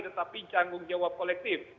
tetapi canggung jawab kolektif